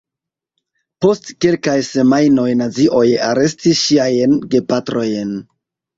Post kelkaj semajnoj nazioj arestis ŝiajn gepatrojn.